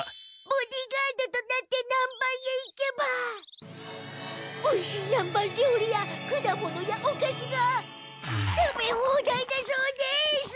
ボディーガードとなって南蛮へ行けばおいしい南蛮料理やくだものやおかしが食べ放題だそうです！